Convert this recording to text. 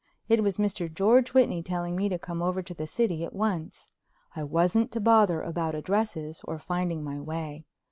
It was Mr. George Whitney telling me to come over to the city at once. I wasn't to bother about addresses or finding my way.